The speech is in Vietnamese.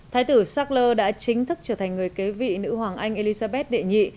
thái tử shackler đã chính thức trở thành người kế vị nữ hoàng anh elizabeth đệ nhị